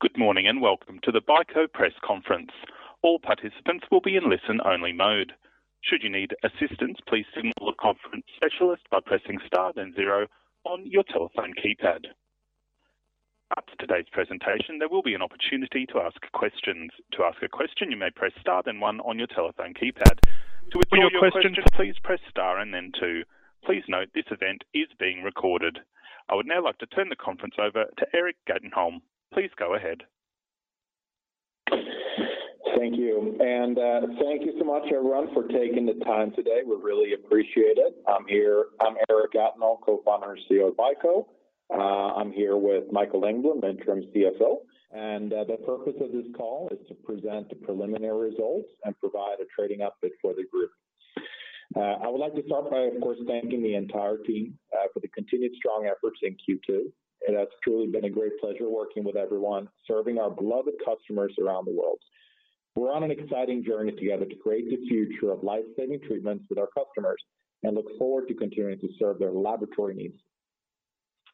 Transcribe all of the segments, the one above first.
Good morning, and welcome to the BICO press conference. All participants will be in listen-only mode. Should you need assistance, please signal the conference specialist by pressing star then zero on your telephone keypad. After today's presentation, there will be an opportunity to ask questions. To ask a question, you may press star then one on your telephone keypad. To withdraw your question, please press star and then two. Please note this event is being recorded. I would now like to turn the conference over to Erik Gatenholm. Please go ahead. Thank you. Thank you so much everyone for taking the time today. We really appreciate it. I'm Erik Gatenholm, Co-founder and CEO of BICO. I'm here with Mikael Engblom, Interim CFO. The purpose of this call is to present the preliminary results and provide a trading update for the group. I would like to start by, of course, thanking the entire team for the continued strong efforts in Q2, and it's truly been a great pleasure working with everyone, serving our beloved customers around the world. We're on an exciting journey together to create the future of life-saving treatments with our customers and look forward to continuing to serve their laboratory needs.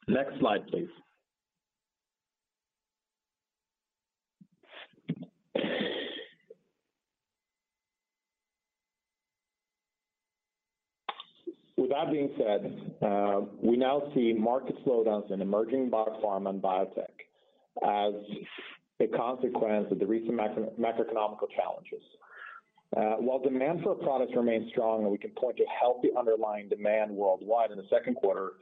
Next slide, please. With that being said, we now see market slowdowns in emerging biopharma and biotech as a consequence of the recent macroeconomic challenges. While demand for our products remains strong and we can point to healthy underlying demand worldwide in the second quarter,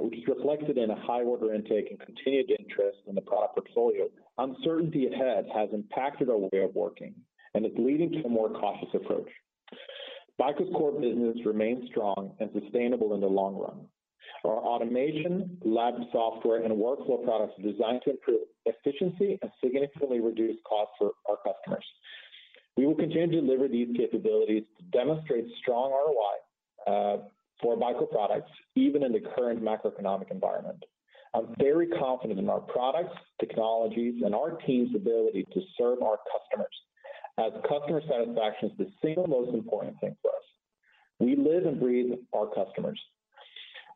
which is reflected in a high order intake and continued interest in the product portfolio, uncertainty ahead has impacted our way of working, and it's leading to a more cautious approach. BICO's core business remains strong and sustainable in the long run. Our automation, lab software, and workflow products are designed to improve efficiency and significantly reduce costs for our customers. We will continue to deliver these capabilities to demonstrate strong ROI for BICO products, even in the current macroeconomic environment. I'm very confident in our products, technologies, and our team's ability to serve our customers, as customer satisfaction is the single most important thing for us. We live and breathe our customers.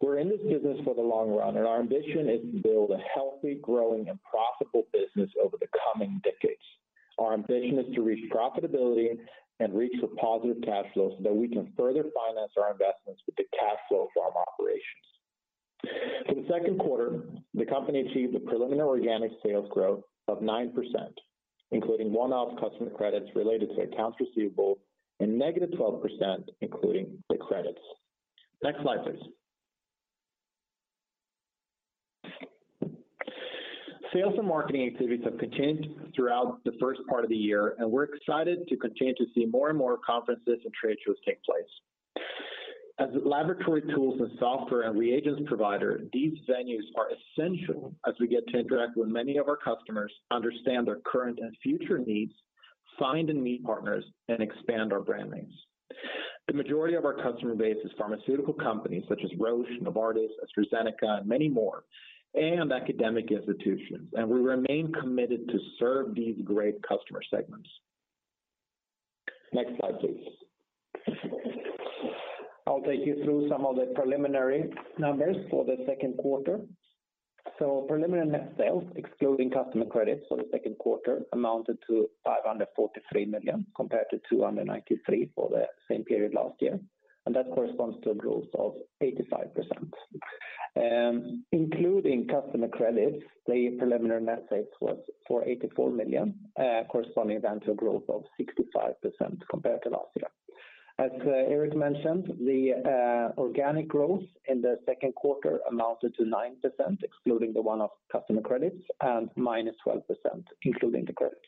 We're in this business for the long run, and our ambition is to build a healthy, growing, and profitable business over the coming decades. Our ambition is to reach profitability and reach a positive cash flow so that we can further finance our investments with the cash flow from operations. In the second quarter, the company achieved a preliminary organic sales growth of 9%, including one-off customer credits related to accounts receivable and -12%, including the credits. Next slide, please. Sales and marketing activities have continued throughout the first part of the year, and we're excited to continue to see more and more conferences and trade shows take place. As a laboratory tools and software and reagents provider, these venues are essential as we get to interact with many of our customers, understand their current and future needs, find and meet partners, and expand our brand names. The majority of our customer base is pharmaceutical companies such as Roche, Novartis, AstraZeneca, and many more, and academic institutions, and we remain committed to serve these great customer segments. Next slide, please. I'll take you through some of the preliminary numbers for the second quarter. Preliminary net sales, excluding customer credits for the second quarter, amounted to 543 million, compared to 293 million for the same period last year. That corresponds to a growth of 85%. Including customer credits, the preliminary net sales was 484 million, corresponding then to a growth of 65% compared to last year. As Erik mentioned, the organic growth in the second quarter amounted to 9%, excluding the one-off customer credits, and -12%, including the credits.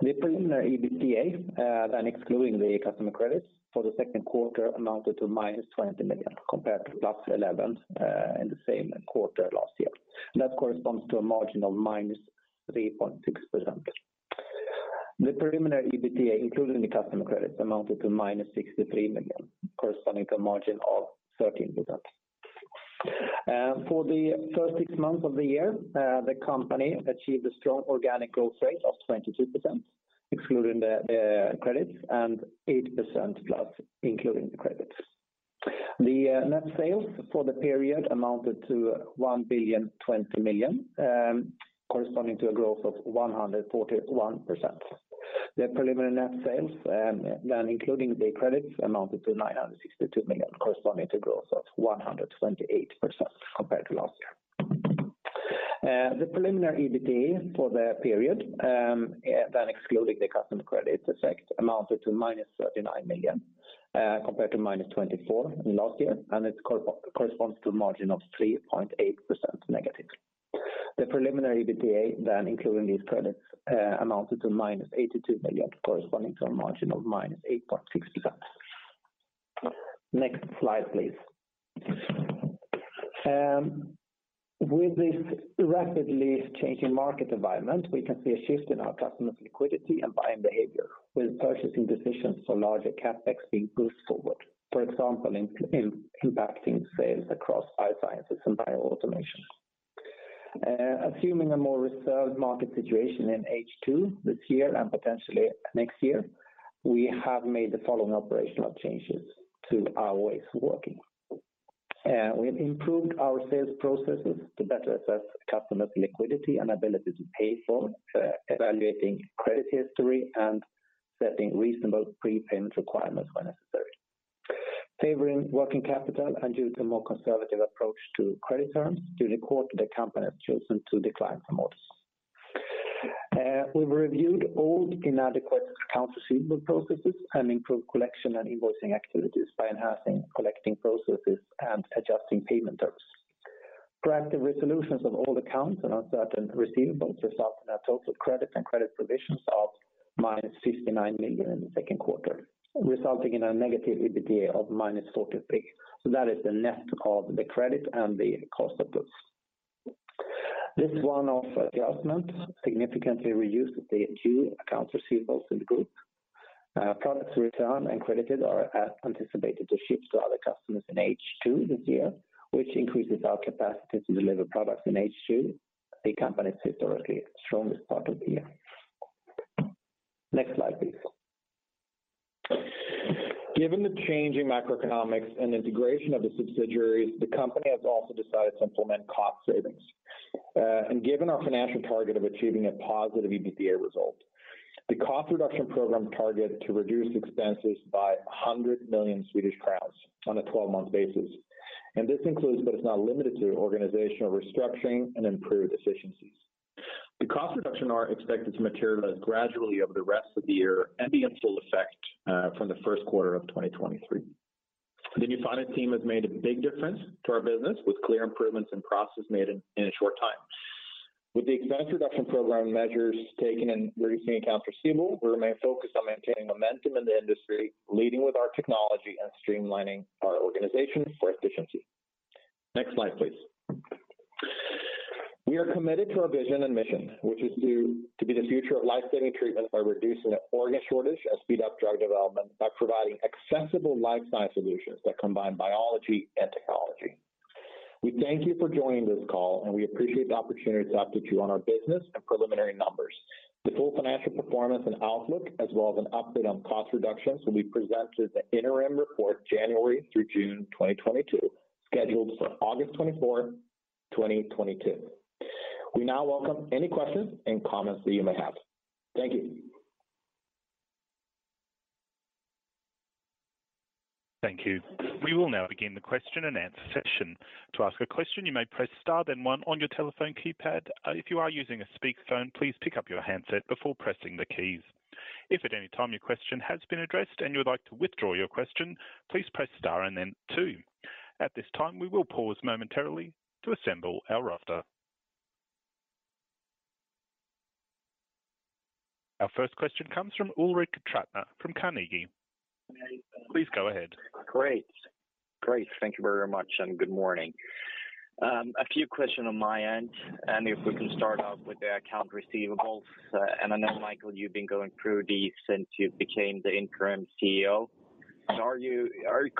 The preliminary EBITDA, and excluding the customer credits for the second quarter amounted to -20 million compared to +11 million, in the same quarter last year. That corresponds to a margin of -3.6%. The preliminary EBITDA, including the customer credits, amounted to -63 million, corresponding to a margin of 13%. For the first six months of the year, the company achieved a strong organic growth rate of 22%, excluding the credits, and 8%+ including the credits. The net sales for the period amounted to 1.020 billion, corresponding to a growth of 141%. The preliminary net sales, then including the credits, amounted to 962 million, corresponding to growth of 128% compared to last year. The preliminary EBITDA for the period, then excluding the customer credit effect, amounted to -39 million, compared to -24 million last year, and it corresponds to a margin of -3.8%. The preliminary EBITDA, including these credits, amounted to -82 million, corresponding to a margin of -8.6%. Next slide, please. With this rapidly changing market environment, we can see a shift in our customer liquidity and buying behavior, with purchasing decisions for larger CapEx being pushed forward, for example, impacting sales across biosciences and bioautomation. Assuming a more reserved market situation in H2 this year and potentially next year, we have made the following operational changes to our ways of working. We've improved our sales processes to better assess customers' liquidity and ability to pay for evaluating credit history and setting reasonable prepayment requirements where necessary. Favoring working capital and due to a more conservative approach to credit terms during the quarter, the company has chosen to decline some orders. We've reviewed old inadequate accounts receivable processes and improved collection and invoicing activities by enhancing collecting processes and adjusting payment terms. Proactive resolutions of old accounts and uncertain receivables result in a total credit and credit provisions of -69 million in the second quarter, resulting in a negative EBITDA of -43 million. That is the net of the credit and the cost of goods. This one-off adjustment significantly reduced the due accounts receivables in the group. Products returned and credited are as anticipated to ship to other customers in H2 this year, which increases our capacity to deliver products in H2, the company's historically strongest part of the year. Next slide, please. Given the changing macroeconomics and integration of the subsidiaries, the company has also decided to implement cost savings. Given our financial target of achieving a positive EBITDA result, the cost reduction program targeted to reduce expenses by 100 million Swedish crowns on a 12-month basis. This includes, but it's not limited to organizational restructuring and improved efficiencies. The cost reduction are expected to materialize gradually over the rest of the year and be in full effect from the first quarter of 2023. The new finance team has made a big difference to our business, with clear improvements in process made in a short time. With the expense reduction program measures taken and reducing accounts receivable, we remain focused on maintaining momentum in the industry, leading with our technology and streamlining our organization for efficiency. Next slide, please. We are committed to our vision and mission, which is to be the future of life-saving treatment by reducing the organ shortage and speed up drug development by providing accessible life science solutions that combine biology and technology. We thank you for joining this call, and we appreciate the opportunity to talk to you on our business and preliminary numbers. The full financial performance and outlook, as well as an update on cost reductions, will be presented in the interim report January through June 2022, scheduled for August 24th, 2022. We now welcome any questions and comments that you may have. Thank you. Thank you. We will now begin the question-and-answer session. To ask a question, you may press star then one on your telephone keypad. If you are using a speakerphone, please pick up your handset before pressing the keys. If at any time your question has been addressed and you would like to withdraw your question, please press star and then two. At this time, we will pause momentarily to assemble our roster. Our first question comes from Ulrik Trattner from Carnegie. Please go ahead. Great. Thank you very much, and good morning. A few questions on my end, and if we can start off with the accounts receivable. I know, Mikael, you've been going through these since you became the Interim CFO. Are you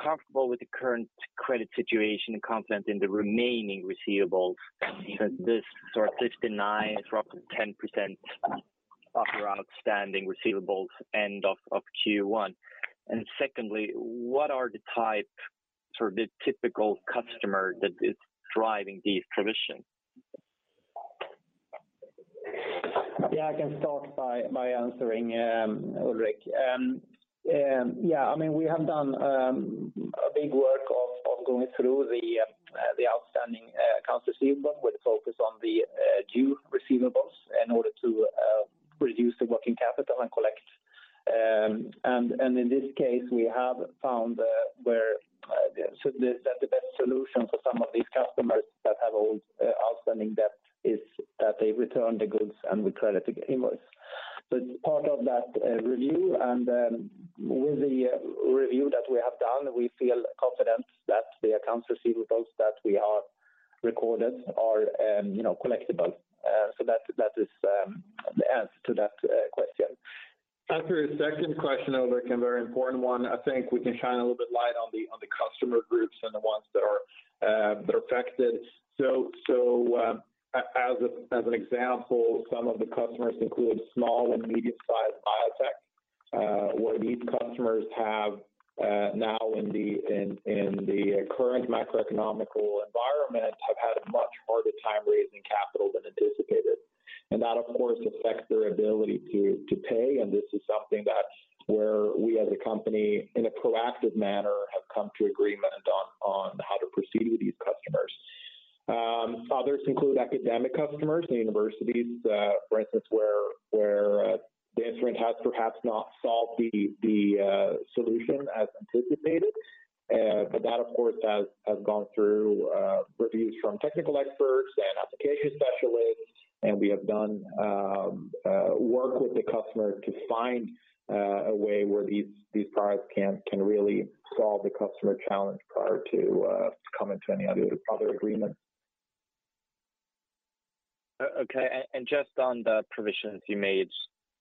comfortable with the current credit situation contained in the remaining receivables? Because this sort of 59 million is roughly 10% of your outstanding receivables end of Q1. Secondly, what are the type for the typical customer that is driving these provisions? Yeah, I can start by answering Ulrik. Yeah, I mean, we have done a big work of going through the outstanding accounts receivable with focus on the due receivables in order to reduce the working capital and collect. In this case, we have found that the best solution for some of these customers that have old outstanding debt is that they return the goods and we credit the invoice. It's part of that review and with the review that we have done, we feel confident that the accounts receivable that we have recorded are, you know, collectible. That is the answer to that question. After your second question, Ulrik, and very important one, I think we can shine a little bit light on the customer groups and the ones that are affected. As an example, some of the customers include small and medium-sized biotech, where these customers have now in the current macroeconomic environment, have had a much harder time raising capital than anticipated. That, of course, affects their ability to pay. This is something that where we as a company in a proactive manner, have come to agreement on how to proceed with these customers. Others include academic customers and universities, for instance, where the instrument has perhaps not solved the solution as anticipated. That of course has gone through reviews from technical experts and application specialists, and we have done work with the customer to find a way where these products can really solve the customer challenge prior to coming to any other agreement. Okay. Just on the provisions you made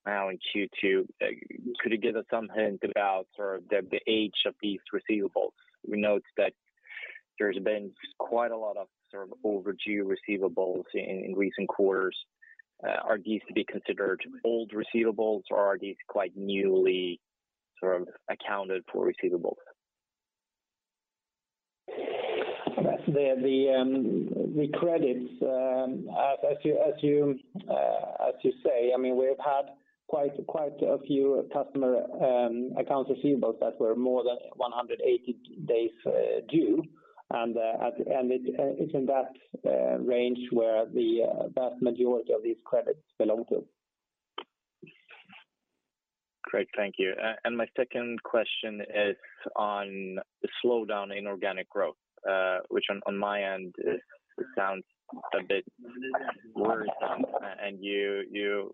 now in Q2, could you give us some hint about sort of the age of these receivables? We note that there's been quite a lot of sort of overdue receivables in recent quarters. Are these to be considered old receivables, or are these quite newly sort of accounted for receivables? The credits, as you say, I mean, we've had quite a few customer accounts receivable that were more than 180 days due. At the end, it's in that range where the vast majority of these credits belong to. Great. Thank you. My second question is on the slowdown in organic growth, which on my end, it sounds a bit worrisome. You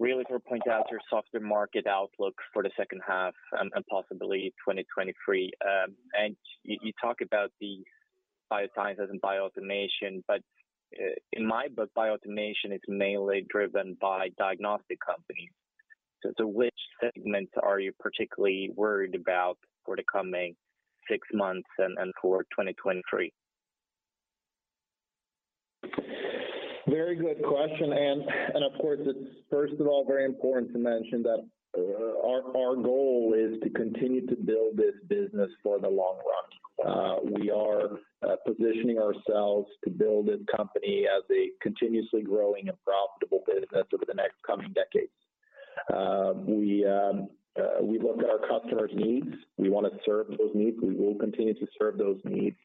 really sort of point out your softer market outlook for the second half and possibly 2023. You talk about the biosciences and bioautomation, but in my book, bioautomation is mainly driven by diagnostic companies. Which segments are you particularly worried about for the coming six months and for 2023? Very good question, of course, it's first of all very important to mention that our goal is to continue to build this business for the long run. We are positioning ourselves to build this company as a continuously growing and profitable business over the next coming decades. We look at our customers' needs. We want to serve those needs. We will continue to serve those needs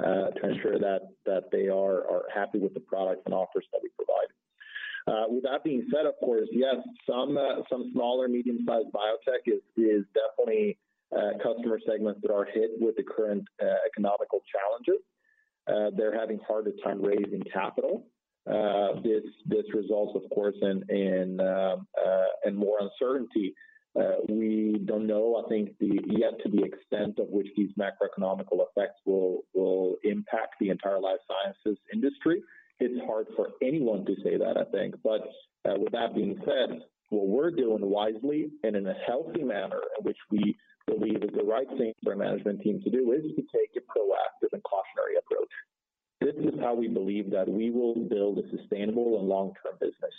to ensure that they are happy with the products and offers that we provide. With that being said, of course, yes, smaller medium-sized biotech customer segments that are hit with the current economic challenges. They're having harder time raising capital. This results of course in more uncertainty. We don't know, I think, to the extent of which these macroeconomic effects will impact the entire life sciences industry. It's hard for anyone to say that, I think. With that being said, what we're doing wisely and in a healthy manner in which we believe is the right thing for our management team to do is to take a proactive and cautionary approach. This is how we believe that we will build a sustainable and long-term business.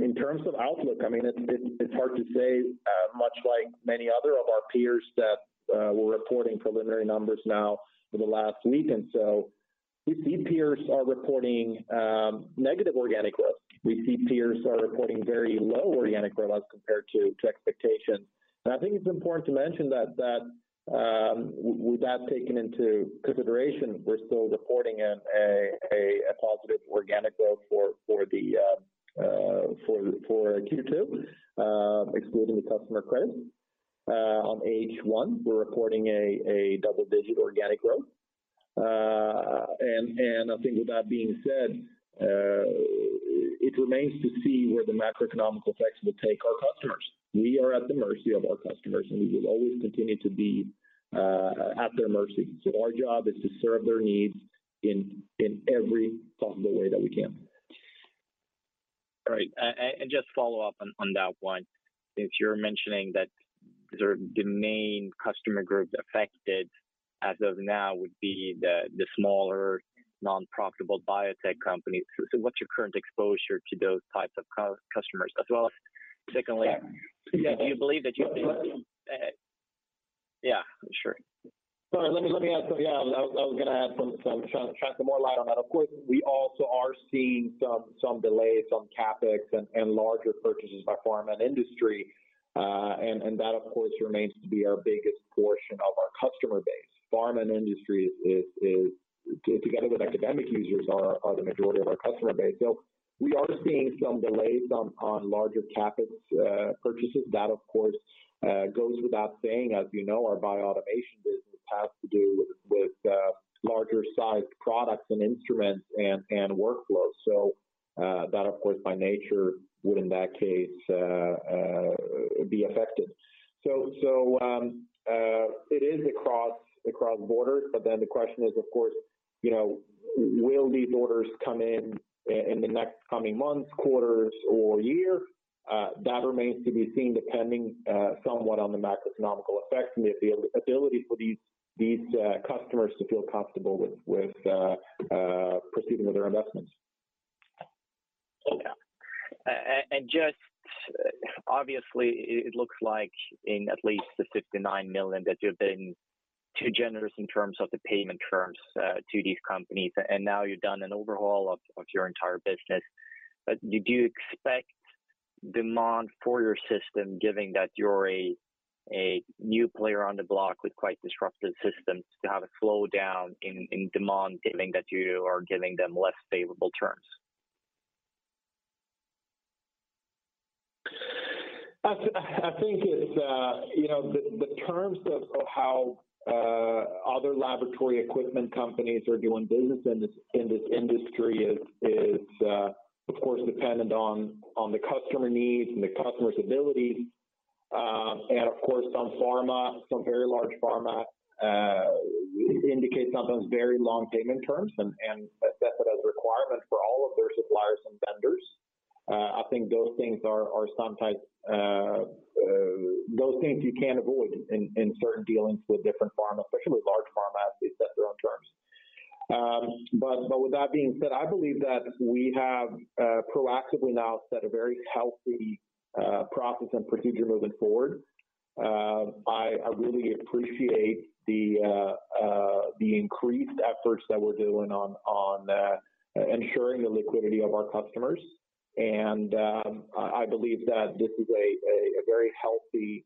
In terms of outlook, I mean, it's hard to say, much like many others of our peers that were reporting preliminary numbers now for the last week. We see peers are reporting negative organic growth. We see peers are reporting very low organic growth as compared to expectations. I think it's important to mention that with that taken into consideration, we're still reporting a positive organic growth for Q2, excluding the customer credits. On H1, we're reporting a double-digit organic growth. I think with that being said, it remains to see where the macroeconomic effects will take our customers. We are at the mercy of our customers, and we will always continue to be at their mercy. Our job is to serve their needs in every possible way that we can. All right. Just follow up on that one. If you're mentioning that the main customer groups affected as of now would be the smaller non-profitable biotech companies. What's your current exposure to those types of customers? As well as secondly, do you believe that you'll be? Yeah, sure. Sorry, let me add something. I was gonna add some shed some more light on that. Of course, we also are seeing some delays on CapEx and larger purchases by pharma and industry. That, of course, remains to be our biggest portion of our customer base. Pharma and industry is together with academic users are the majority of our customer base. We are seeing some delays on larger CapEx purchases. That, of course, goes without saying. As you know, our Bioautomation business has to do with larger sized products and instruments and workflows. That of course by nature would in that case be affected. It is across borders, but then the question is of course, you know, will these orders come in in the next coming months, quarters or year? That remains to be seen depending somewhat on the macroeconomic effects and the ability for these customers to feel comfortable with proceeding with their investments. Okay. Just obviously, it looks like in at least the 59 million that you've been too generous in terms of the payment terms to these companies, and now you've done an overhaul of your entire business. Do you expect demand for your system, given that you're a new player on the block with quite disruptive systems, to have a slowdown in demand, given that you are giving them less favorable terms? I think it's, you know, the terms of how other laboratory equipment companies are doing business in this industry is of course dependent on the customer needs and the customer's ability. Of course, some pharma, some very large pharma indicate sometimes very long payment terms and set that as a requirement for all of their suppliers and vendors. I think those things are sometimes those things you can't avoid in certain dealings with different pharma, especially large pharma as they set their own terms. With that being said, I believe that we have proactively now set a very healthy process and procedure moving forward. I really appreciate the increased efforts that we're doing on ensuring the liquidity of our customers. I believe that this is a very healthy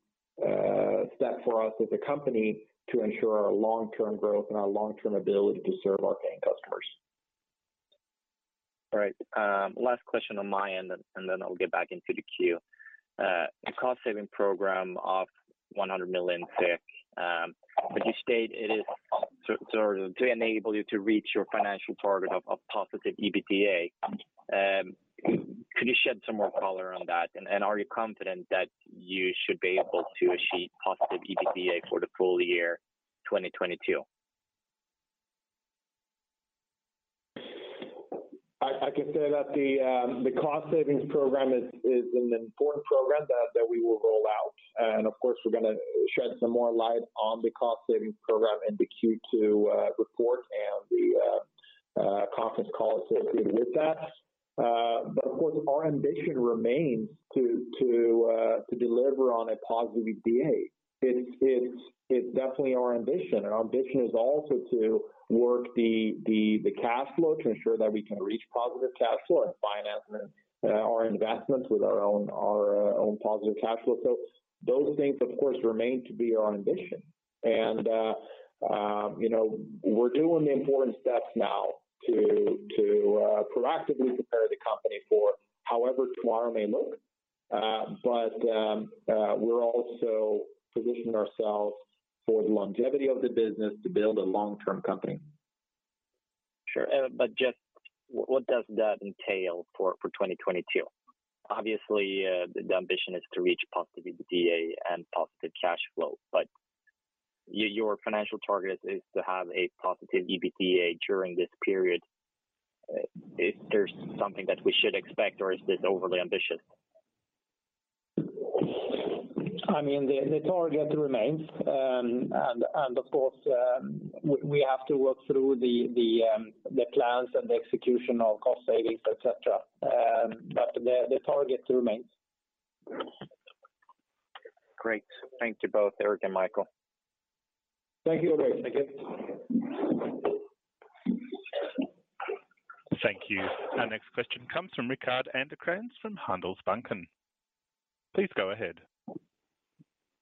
step for us as a company to ensure our long-term growth and our long-term ability to serve our paying customers. All right. Last question on my end, and then I'll get back into the queue. The cost saving program of 100 million, but you state it is sort of to enable you to reach your financial target of positive EBITDA. Could you shed some more color on that? Are you confident that you should be able to achieve positive EBITDA for the full year 2022? I can say that the cost savings program is an important program that we will roll out. Of course, we're gonna shed some more light on the cost savings program in the Q2 report and the conference call associated with that. Of course, our ambition remains to deliver on a positive EBITDA. It's definitely our ambition. Our ambition is also to work the cash flow to ensure that we can reach positive cash flow and finance our investments with our own positive cash flow. Those things, of course, remain to be our ambition. You know, we're doing the important steps now to proactively prepare the company for however tomorrow may look. We're also positioning ourselves for the longevity of the business to build a long-term company. Sure. Just what does that entail for 2022? Obviously, the ambition is to reach positive EBITDA and positive cash flow. Your financial target is to have a positive EBITDA during this period. Is there something that we should expect, or is this overly ambitious? I mean, the target remains. Of course, we have to work through the plans and the execution of cost savings, et cetera. The target remains. Great. Thank you both, Erik and Mikael. Thank you, Ulrik. Thank you. Our next question comes from Rickard Anderkrans from Handelsbanken. Please go ahead.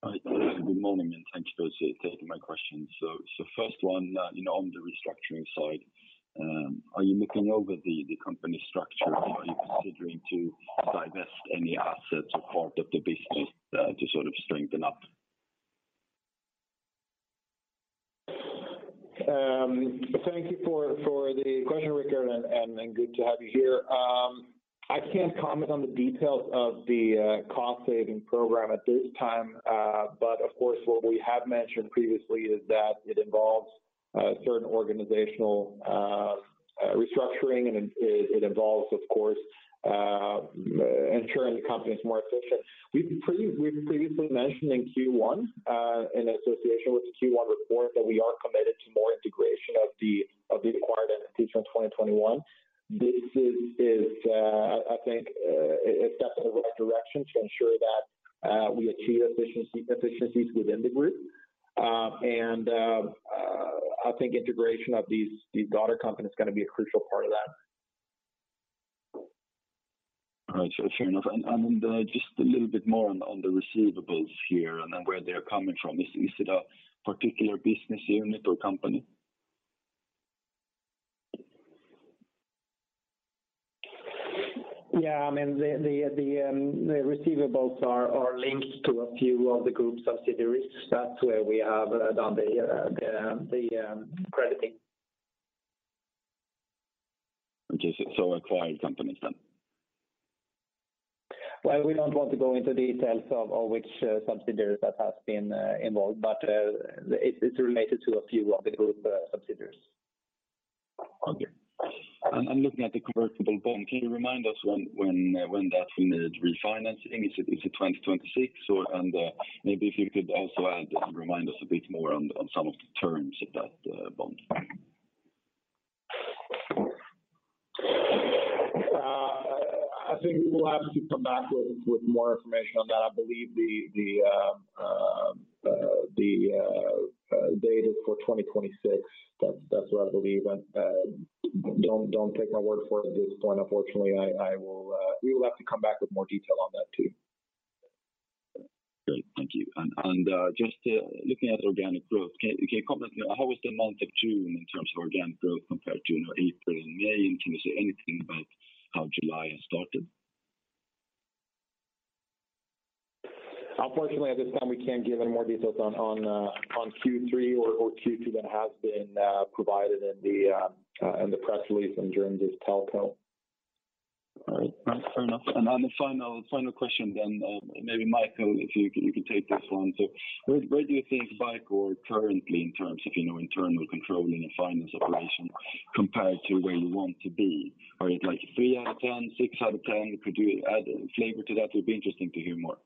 Hi. Good morning, and thank you both for taking my question. First one, you know, on the restructuring side, are you looking over the company structure? Are you considering to divest any assets or part of the business to sort of strengthen up? Thank you for the question, Rickard, and good to have you here. I can't comment on the details of the cost saving program at this time. Of course, what we have mentioned previously is that it involves certain organizational restructuring and it involves, of course, ensuring the company is more efficient. We've previously mentioned in Q1, in association with the Q1 report, that we are committed to more integration of the acquired entities from 2021. This is I think a step in the right direction to ensure that we achieve efficiency, efficiencies within the group. I think integration of these daughter companies is gonna be a crucial part of that. All right. Fair enough. Just a little bit more on the receivables here and then where they're coming from. Is it a particular business unit or company? Yeah. I mean, the receivables are linked to a few of the group subsidiaries. That's where we have done the crediting. Okay. Acquired companies then? Well, we don't want to go into details of which subsidiaries that has been involved, but it's related to a few of the group subsidiaries. Okay. I'm looking at the convertible bond. Can you remind us when that will need refinancing? Is it 2026? Or and maybe if you could also add and remind us a bit more on some of the terms of that bond? I think we will have to come back with more information on that. I believe the date is for 2026. That's what I believe. Don't take my word for it at this point, unfortunately. We will have to come back with more detail on that too. Great. Thank you. Just looking at organic growth, can you comment how was the month of June in terms of organic growth compared to, you know, April and May? Can you say anything about how July has started? Unfortunately, at this time, we can't give any more details on Q3 or Q2 than has been provided in the press release and during this telco. All right. Fair enough. The final question, maybe Mikael, if you can take this one. Where do you think BICO currently in terms of, you know, internal control in the finance operation compared to where you want to be? Are you like three out of 10, six out of 10? Could you add flavor to that? It'd be interesting to hear more.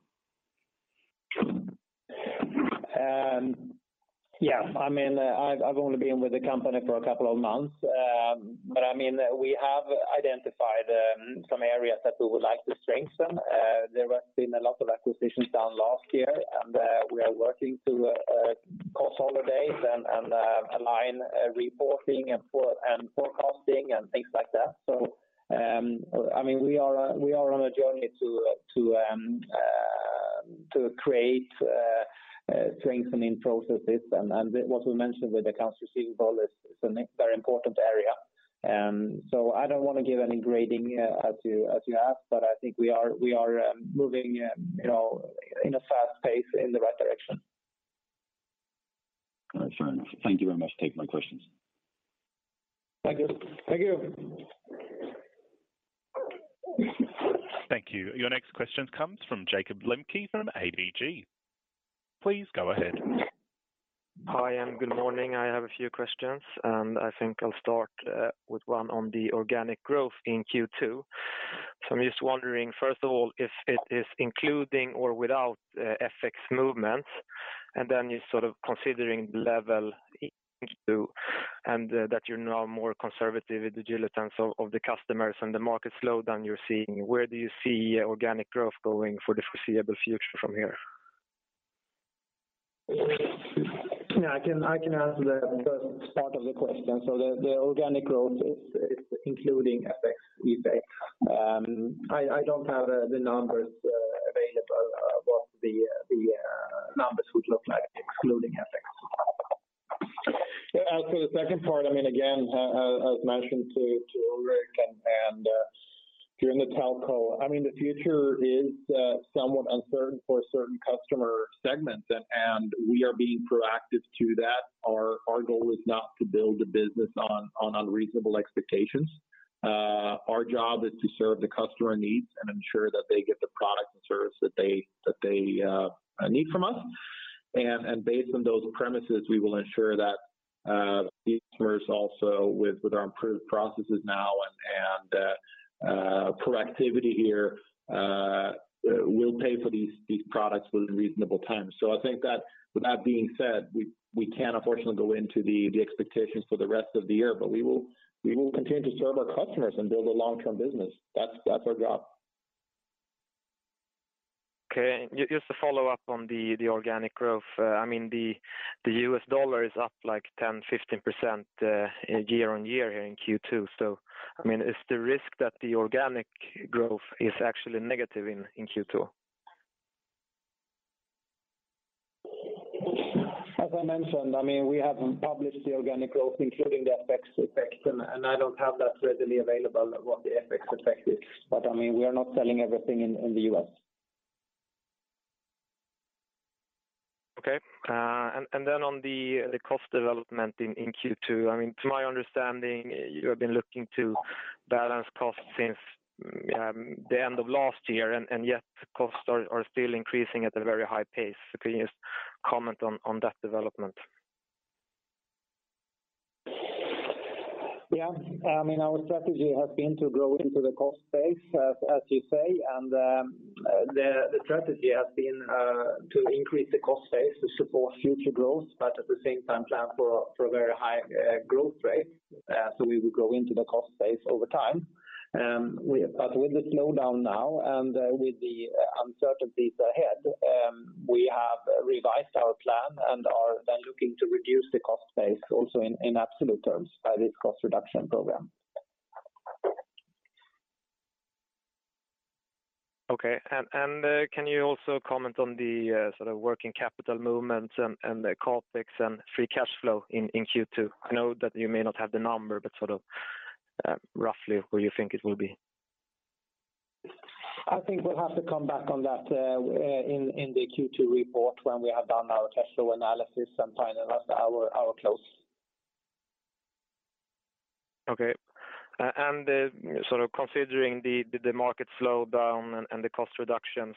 Yeah. I mean, I've only been with the company for a couple of months. I mean, we have identified some areas that we would like to strengthen. There has been a lot of acquisitions done last year, and we are working to consolidate and align reporting and forecasting and things like that. I mean, we are on a journey to create strengthening processes. What we mentioned with accounts receivable is a very important area. I don't wanna give any grading as you ask, but I think we are moving you know in a fast pace in the right direction. All right. Fair enough. Thank you very much for taking my questions. Thank you. Thank you. Thank you. Your next question comes from Jakob Lembke from ABG. Please go ahead. Hi, and good morning. I have a few questions, and I think I'll start with one on the organic growth in Q2. I'm just wondering, first of all, if it is including or without FX movements, and then you're sort of considering the level in Q2, and that you're now more conservative with the diligence of the customers and the market slowdown you're seeing. Where do you see organic growth going for the foreseeable future from here? Yeah, I can answer the first part of the question. The organic growth is including FX, we say. I don't have the numbers available, what the numbers would look like excluding FX. As for the second part, I mean, again, as mentioned to Ulrik and during the telco, I mean, the future is somewhat uncertain for certain customer segments. We are being proactive to that. Our goal is not to build a business on unreasonable expectations. Our job is to serve the customer needs and ensure that they get the product and service that they need from us. Based on those premises, we will ensure that the customers also with our improved processes now and proactivity here will pay for these products within reasonable time. I think that with that being said, we can't unfortunately go into the expectations for the rest of the year, but we will continue to serve our customers and build a long-term business. That's our job. Just to follow up on the organic growth. I mean, the U.S. dollar is up, like, 10%-15%, year-over-year here in Q2. I mean, is the risk that the organic growth is actually negative in Q2? As I mentioned, I mean, we have published the organic growth, including the FX effects, and I don't have that readily available what the FX effect is. I mean, we are not selling everything in the U.S. Okay. On the cost development in Q2. I mean, to my understanding, you have been looking to balance costs since the end of last year, and yet costs are still increasing at a very high pace. Can you just comment on that development? Yeah. I mean, our strategy has been to grow into the cost base, as you say. The strategy has been to increase the cost base to support future growth, but at the same time plan for a very high growth rate, so we will grow into the cost base over time. With the slowdown now and with the uncertainties ahead, we have revised our plan and are then looking to reduce the cost base also in absolute terms by this cost reduction program. Can you also comment on the sort of working capital movements and the CapEx and free cash flow in Q2? I know that you may not have the number, but sort of roughly where you think it will be. I think we'll have to come back on that, in the Q2 report when we have done our cash flow analysis and finalized our close. Okay, sort of considering the market slowdown and the cost reductions,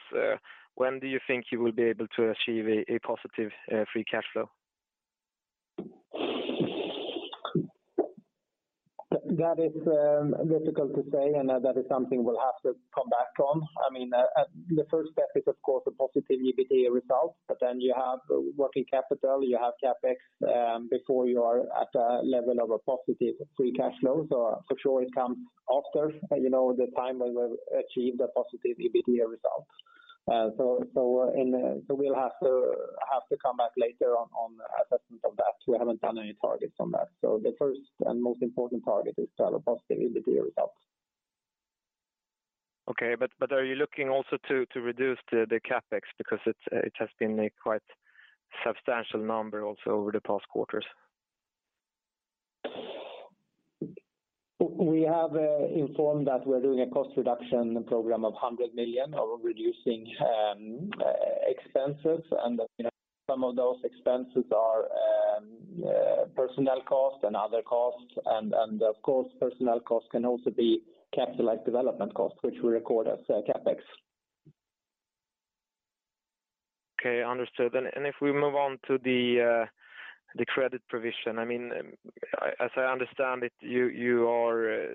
when do you think you will be able to achieve a positive free cash flow? That is difficult to say, and that is something we'll have to come back on. I mean, the first step is of course a positive EBITDA result. But then you have working capital, you have CapEx, before you are at a level of a positive free cash flow. For sure it comes after, you know, the time when we've achieved a positive EBITDA result. We'll have to come back later on assessment of that. We haven't done any targets on that. The first and most important target is to have a positive EBITDA result. Okay. Are you looking also to reduce the CapEx? Because it has been a quite substantial number also over the past quarters. We have informed that we're doing a cost reduction program of 100 million of reducing expenses, and you know, some of those expenses are personnel costs and other costs. Of course, personnel costs can also be capitalized development costs, which we record as CapEx. Okay. Understood. If we move on to the credit provision, I mean, as I understand it, you are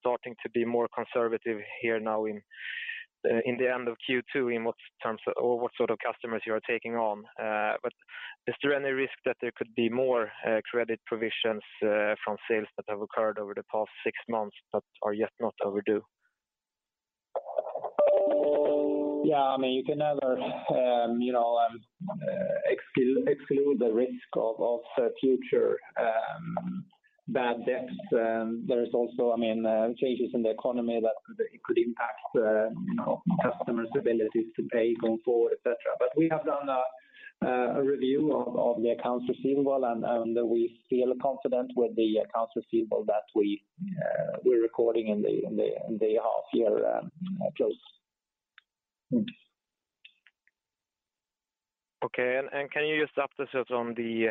starting to be more conservative here now in the end of Q2 in what terms or what sort of customers you are taking on. Is there any risk that there could be more credit provisions from sales that have occurred over the past six months but are yet not overdue? Yeah. I mean, you can never, you know, exclude the risk of future bad debts. There is also, I mean, changes in the economy that could impact, you know, customers' ability to pay going forward, et cetera. We have done a review of the accounts receivable, and we feel confident with the accounts receivable that we're recording in the half year close. Okay. Can you just update us on the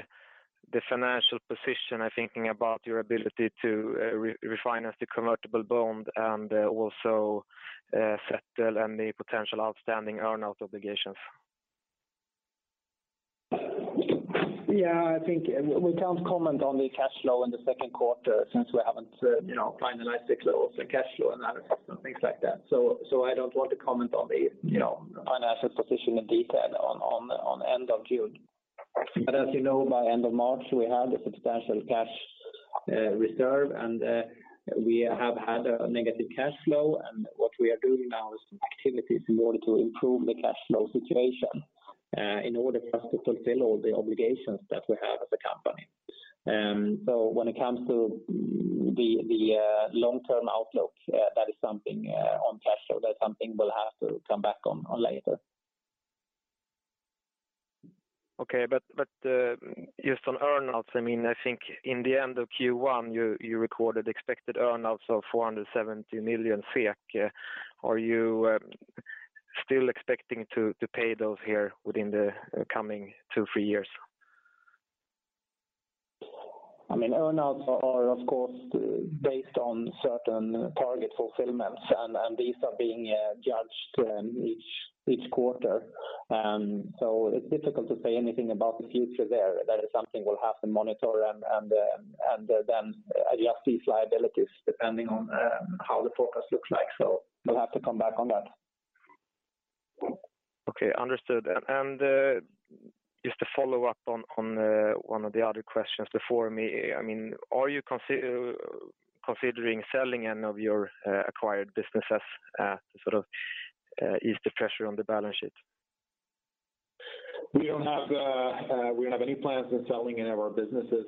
financial position? I'm thinking about your ability to refinance the convertible bond and also settle any potential outstanding earn-out obligations. Yeah, I think we can't comment on the cash flow in the second quarter since we haven't, you know, finalized the close, the cash flow analysis and things like that. I don't want to comment on the, you know, financial position in detail on end of June. As you know, by end of March, we had a substantial cash reserve, and we have had a negative cash flow. What we are doing now is some activities in order to improve the cash flow situation, in order for us to fulfill all the obligations that we have as a company. When it comes to the long-term outlook, that is something on cash flow. That's something we'll have to come back on later. Okay. Just on earn-outs, I mean, I think in the end of Q1, you recorded expected earn-outs of 470 million. Are you still expecting to pay those here within the coming two, three years? I mean, earn-outs are of course based on certain target fulfillments, and these are being judged each quarter. It's difficult to say anything about the future there. That is something we'll have to monitor and then adjust these liabilities depending on how the forecast looks like. We'll have to come back on that. Okay. Understood. Just to follow up on one of the other questions before me, I mean, are you considering selling any of your acquired businesses to sort of ease the pressure on the balance sheet? We don't have any plans in selling any of our businesses.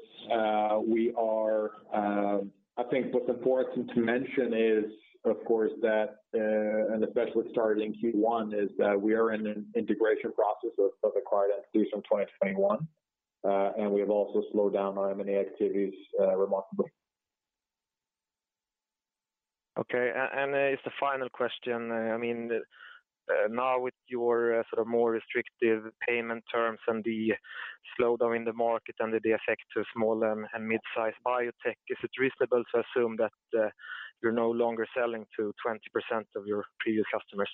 I think what's important to mention is, of course, that, and especially starting Q1, is that we are in an integration process of acquired entities from 2021, and we have also slowed down our M&A activities remarkably. Okay. It's the final question. I mean, now with your sort of more restrictive payment terms and the slowdown in the market and the effect to small and mid-size biotech, is it reasonable to assume that you're no longer selling to 20% of your previous customers?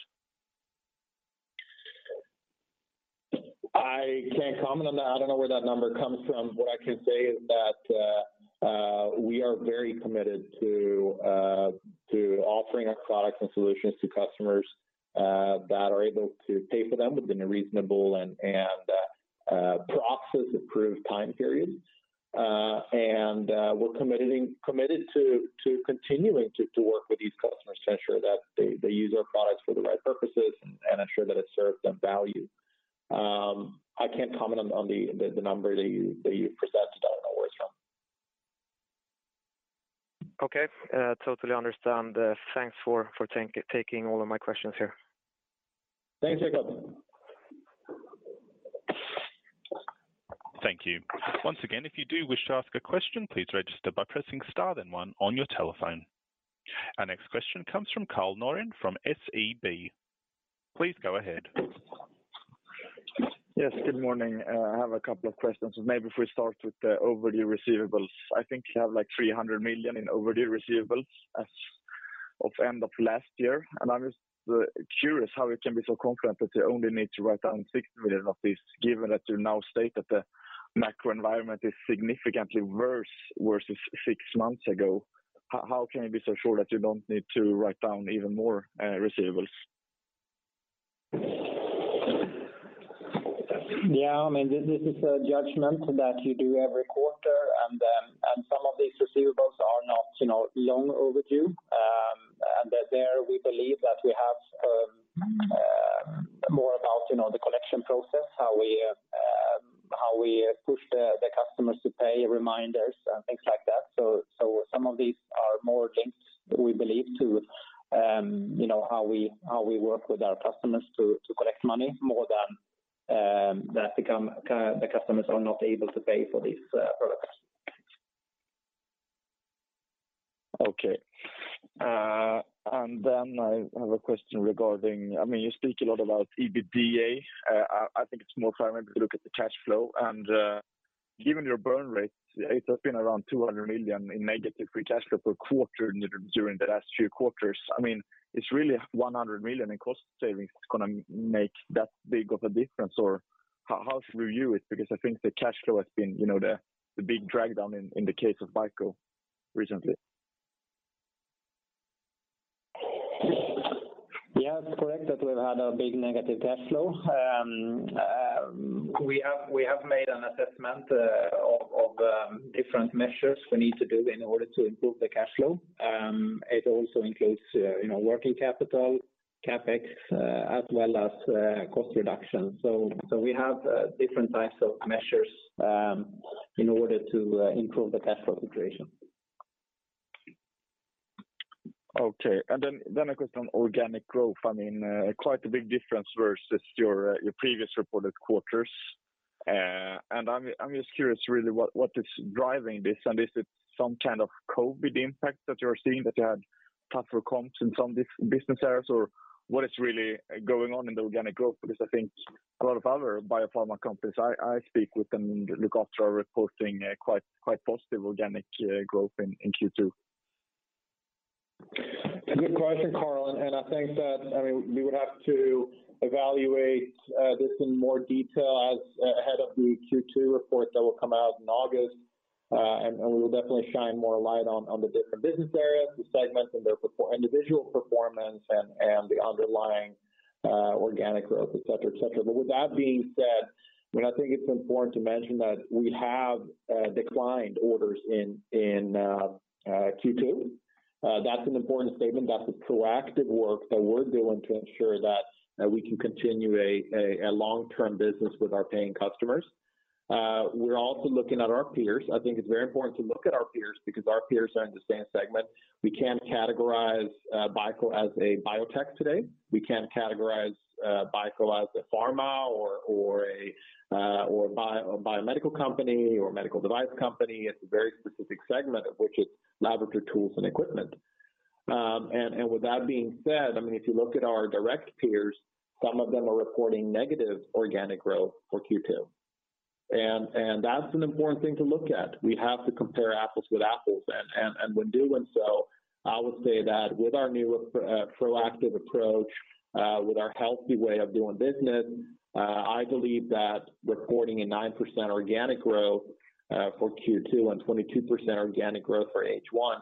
I can't comment on that. I don't know where that number comes from. What I can say is that we are very committed to offering our products and solutions to customers that are able to pay for them within a reasonable and process-approved time period. We're committed to continuing to work with these customers to ensure that they use our products for the right purposes and ensure that it serves them value. I can't comment on the number that you presented. I don't know where it's from. Okay. Totally understand. Thanks for taking all of my questions here. Thanks, Jakob. Thank you. Once again, if you do wish to ask a question, please register by pressing star then one on your telephone. Our next question comes from Karl Norén from SEB. Please go ahead. Yes, good morning. I have a couple of questions. Maybe if we start with the overdue receivables. I think you have, like, 300 million in overdue receivables as of end of last year. I'm just curious how you can be so confident that you only need to write down 60 million of this, given that you now state that the macro environment is significantly worse versus six months ago. How can you be so sure that you don't need to write down even more receivables? Yeah, I mean, this is a judgment that you do every quarter, and some of these receivables are not, you know, long overdue. There we believe that we have more about, you know, the collection process, how we push the customers to pay, reminders and things like that. Some of these are more linked, we believe, to, you know, how we work with our customers to collect money more than the customers are not able to pay for these products. I have a question regarding. I mean, you speak a lot about EBITDA. I think it's more timely to look at the cash flow. Given your burn rate, it has been around 200 million in negative free cash flow per quarter during the last few quarters. I mean, it's really 100 million in cost savings that's gonna make that big of a difference, or how should we view it? Because I think the cash flow has been, you know, the big drag down in the case of BICO recently. Yeah, it's correct that we've had a big negative cash flow. We have made an assessment of different measures we need to do in order to improve the cash flow. It also includes, you know, working capital, CapEx, as well as cost reduction. We have different types of measures in order to improve the cash flow situation. Okay. A question on organic growth. I mean, quite a big difference versus your previous reported quarters. I'm just curious really what is driving this, and is it some kind of COVID impact that you're seeing that you had tougher comps in some business areas? What is really going on in the organic growth? I think a lot of other biopharma companies I speak with and look after are reporting quite positive organic growth in Q2. A good question, Karl. I think that, I mean, we would have to evaluate this in more detail ahead of the Q2 report that will come out in August. We will definitely shine more light on the different business areas, the segments and their individual performance and the underlying organic growth, et cetera, et cetera. With that being said, I mean, I think it's important to mention that we have declined orders in Q2. That's an important statement. That's the proactive work that we're doing to ensure that we can continue a long-term business with our paying customers. We're also looking at our peers. I think it's very important to look at our peers because our peers are in the same segment. We can't categorize BICO as a biotech today. We can't categorize BICO as a pharma or a biomedical company or medical device company. It's a very specific segment, which is laboratory tools and equipment. With that being said, I mean, if you look at our direct peers, some of them are reporting negative organic growth for Q2. That's an important thing to look at. We have to compare apples with apples. When doing so, I would say that with our new proactive approach with our healthy way of doing business, I believe that reporting a 9% organic growth for Q2 and 22% organic growth for H1,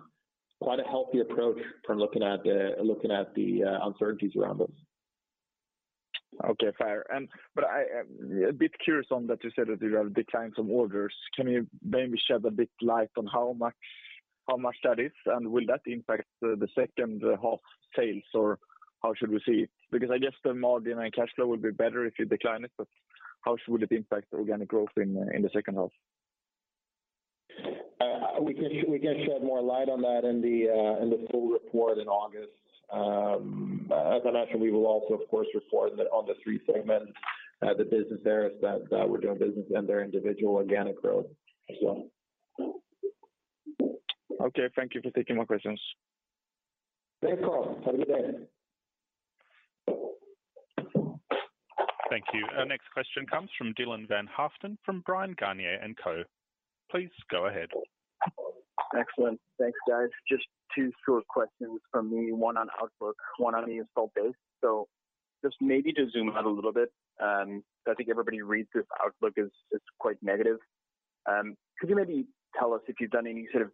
quite a healthy approach from looking at the uncertainties around us. Okay, fair. I am a bit curious on that you said that you have declined some orders. Can you maybe shed a bit light on how much that is? Will that impact the second half sales, or how should we see it? Because I guess the margin and cash flow will be better if you decline it, but will it impact organic growth in the second half? We can shed more light on that in the full report in August. As I mentioned, we will also of course report on the three segments, the business areas that we're doing business and their individual organic growth. Okay. Thank you for taking my questions. Thanks, Karl. Have a good day. Thank you. Our next question comes from Dylan van Haaften from Bryan, Garnier & Co. Please go ahead. Excellent. Thanks, guys. Just two short questions from me. One on outlook, one on the install base. Just maybe to zoom out a little bit, I think everybody reads this outlook as quite negative. Could you maybe tell us if you've done any sort of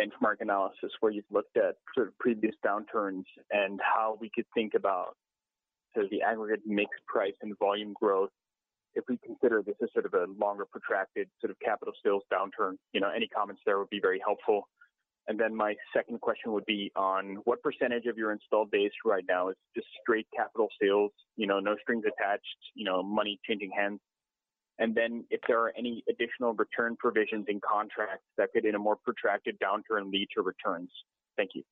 benchmark analysis where you've looked at sort of previous downturns and how we could think about sort of the aggregate mix price and volume growth if we consider this as sort of a longer protracted sort of capital sales downturn? You know, any comments there would be very helpful. My second question would be on what percentage of your installed base right now is just straight capital sales, you know, no strings attached, you know, money changing hands? If there are any additional return provisions in contracts that could, in a more protracted downturn, lead to returns. Thank you.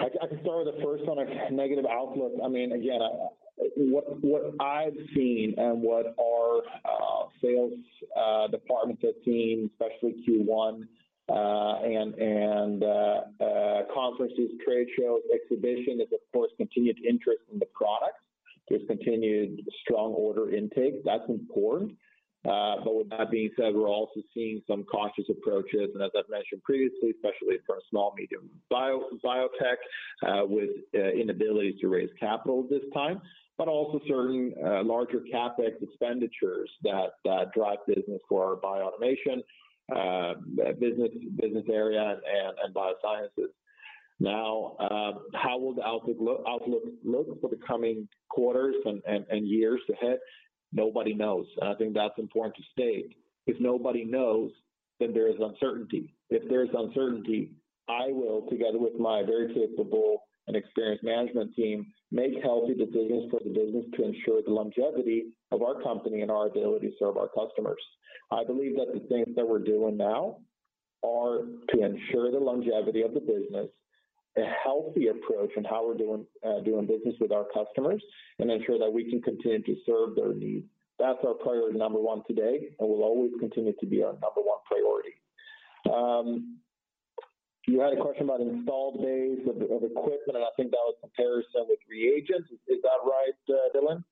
I can start with the first one on negative outlook. I mean, again, what I've seen and what our sales departments have seen, especially Q1 and conferences, trade shows, exhibitions. There is, of course, continued interest in the products. There's continued strong order intake. That's important. But with that being said, we're also seeing some cautious approaches, and as I've mentioned previously, especially for a small and medium biotech with inability to raise capital at this time, but also certain larger CapEx expenditures that drive business for our Bioautomation business area and Biosciences. Now, how will the outlook look for the coming quarters and years ahead? Nobody knows. I think that's important to state. If nobody knows, then there is uncertainty. If there's uncertainty, I will, together with my very capable and experienced management team, make healthy decisions for the business to ensure the longevity of our company and our ability to serve our customers. I believe that the things that we're doing now are to ensure the longevity of the business, a healthy approach in how we're doing business with our customers, and ensure that we can continue to serve their needs. That's our priority number one today and will always continue to be our number one priority. You had a question about installed base of equipment, and I think that was comparison with reagents. Is that right, Dylan?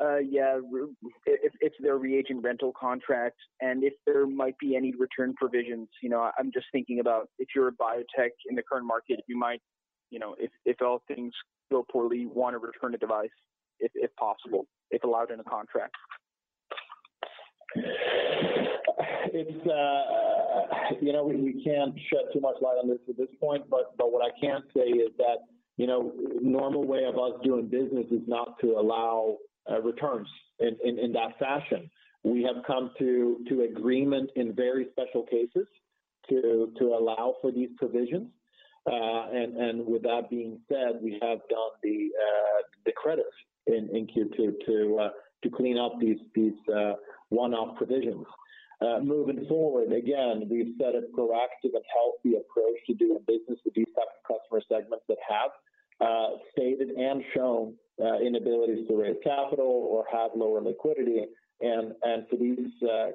If their reagent rental contracts and if there might be any return provisions. You know, I'm just thinking about if you're a biotech in the current market, you might, you know, if all things go poorly, want to return the device if possible, if allowed in a contract. It's you know we can't shed too much light on this at this point. What I can say is that you know normal way of us doing business is not to allow returns in that fashion. We have come to agreement in very special cases to allow for these provisions. With that being said, we have done the credits in Q2 to clean up these one-off provisions. Moving forward, again, we've set a proactive and healthy approach to doing business with these type of customer segments that have stated and shown inabilities to raise capital or have lower liquidity. For these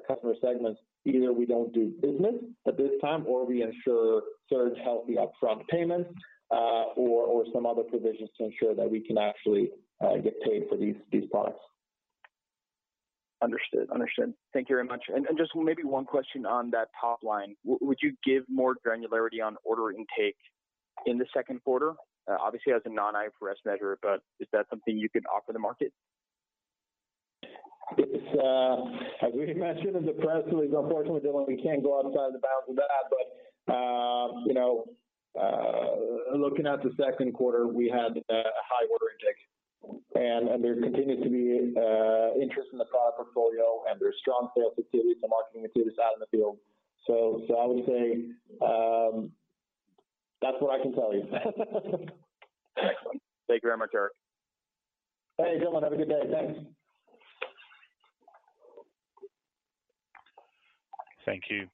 customer segments, either we don't do business at this time, or we ensure certain healthy upfront payments, or some other provisions to ensure that we can actually get paid for these products. Understood. Thank you very much. Just maybe one question on that top line. Would you give more granularity on order intake in the second quarter? Obviously as a non-IFRS measure, but is that something you can offer the market? It's as we mentioned in the press release. Unfortunately, Dylan, we can't go outside the bounds of that. You know, looking at the second quarter, we had a high order intake. There continues to be interest in the product portfolio, and there's strong sales activity. The marketing activity is out in the field. I would say that's what I can tell you. Excellent. Thank you very much, Erik. Thank you, Dylan. Have a good day. Thanks. Thank you.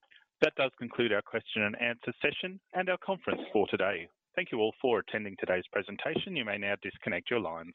That does conclude our question and answer session and our conference for today. Thank you all for attending today's presentation. You may now disconnect your lines.